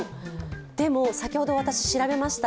でも先ほど私、調べました。